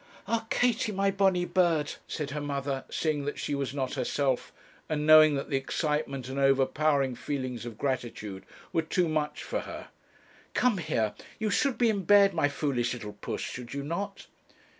'Ah, Katie, my bonny bird,' said her mother, seeing that she was not herself, and knowing that the excitement and overpowering feelings of gratitude were too much for her come here; you should be in bed, my foolish little puss, should you not?'